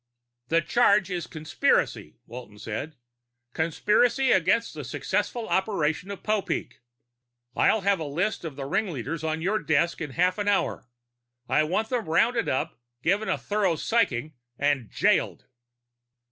"The charge is conspiracy," Walton said. "Conspiracy against the successful operation of Popeek. I'll have a list of the ringleaders on your desk in half an hour. I want them rounded up, given a thorough psyching, and jailed."